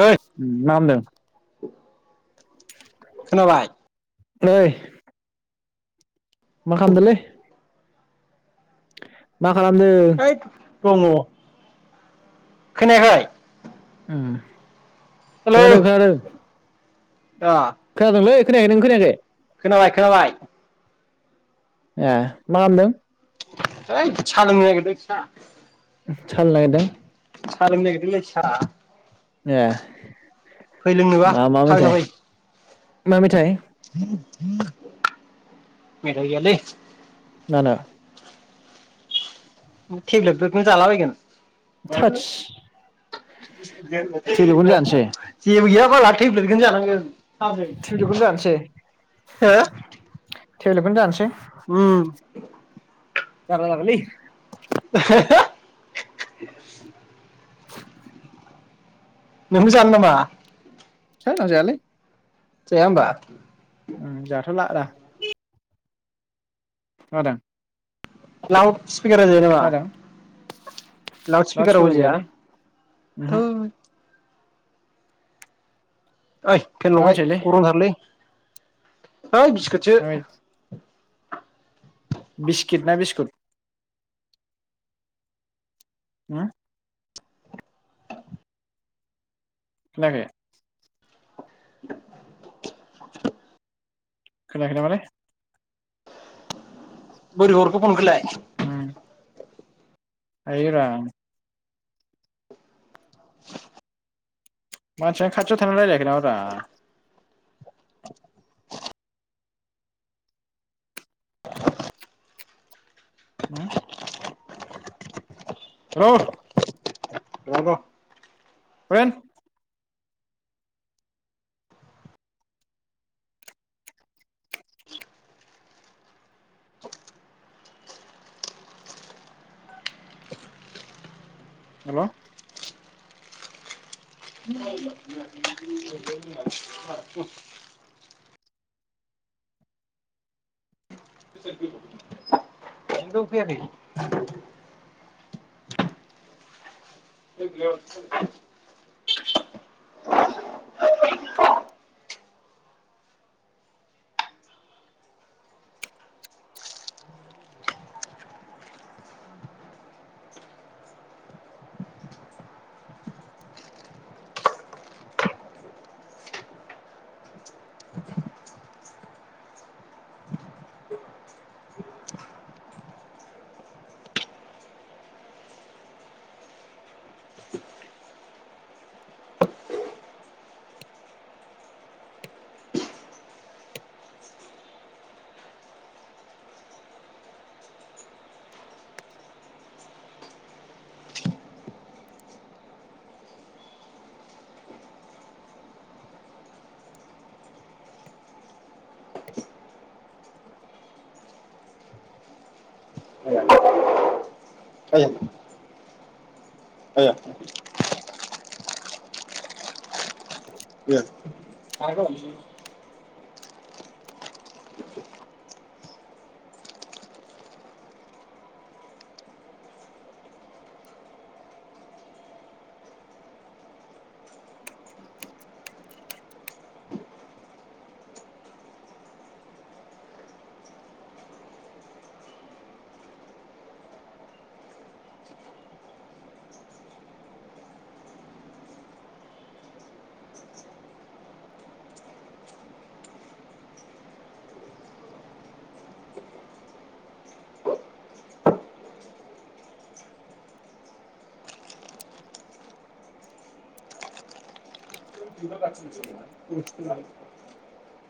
ओइ मा खामदों? खोनाबाय? नै मा खामदोलै? माख हैद दङ। खोनायाखै ओम हेलौ खोनादो खोनादो। अ खोनादोंलै। खोनायाखै नों खोनायाखै? खोनाबाय खोनाबाय। ए मा खामदों? ओइद सा लोंनो नागिरदों सा। सालायनो नागिरदों सा लोंनो नागिरदोंलै सा। ए फै लोंनोबा मा मा मेथाइ थाबायना फै। मा मेथाय? मेथाय गैयालै। मानो? थेब्लेटफोरखौनो जाला बायगोन। थोदस [unintelligible] थेब्लेटखौनो जानोसै जेबो गैया। थेब्लेटखौनो जानोसै [unintelligible] हो? थेेब्लेदखौनो जानोसै? उम जारला जागोनलै। [unintelligible] [inaudible] नोंबो जानो नामा? थोद आं जायालै। जाया होमबा? आं जाथ'ला आदा। खोनादों। लाव स्पिकारा जायो नामा खोनादों लाउड स्पिकाराबबो स्पिकार जाया जायालै उमहो थै ओइ फेन मा लगाय मेथाइलै गरमथारलै ओइ बिसकटसो मा बिस्किट ना बिस्कुट हा। खोनायाखै [inaudible] खोनायाखै नामालै? बोरो हरखो फनखोलाय ओम हायो रा मानसियानो खाथियाव थाना रायलायाखै नामारा हो। हेल' र' र' बे। हेल' दफैयाखै। [inaudible] आया। [unintelligible] [unintelligible]